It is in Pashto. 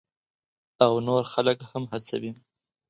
او نور خلک هم هڅوي.